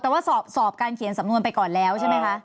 แต่ว่าสอบการเขียนสำนวนไปก่อนแล้วใช่ไหมคะ